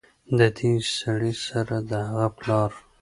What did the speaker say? ددې سړي سره د هغه پلار